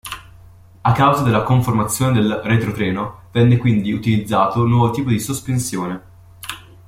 A causa della conformazione del retrotreno venne quindi utilizzato un nuovo tipo di sospensione.